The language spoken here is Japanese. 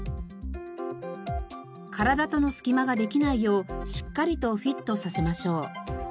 体との隙間ができないようしっかりとフィットさせましょう。